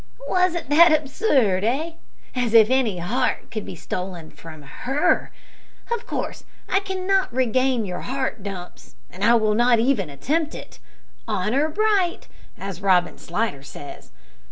Wasn't that absurd, eh? As if any heart could be stolen from her! Of course I cannot regain your heart, Dumps, and I will not even attempt it `Honour bright,' as Robin Slidder says.